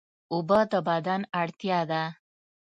اوبه د بدن اړتیا ده